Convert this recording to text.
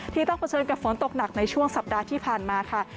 ต้องเผชิญกับฝนตกหนักในช่วงสัปดาห์ที่ผ่านมาค่ะ